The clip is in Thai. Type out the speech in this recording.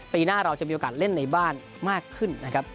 ปีหน้าเราจะมีโอกาสเล่นในบ้านมากขึ้นนะครับ